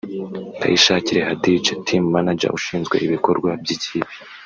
Kayishakire Hadidja (Team Manager/ushinzwe ibikorwa by’ikipe)